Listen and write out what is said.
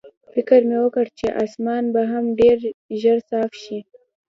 فکر مې وکړ چې اسمان به هم ډېر ژر صاف شي.